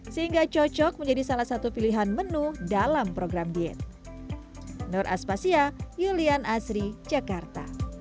sehingga cocok menjadi salah satu pilihan menu dalam program diet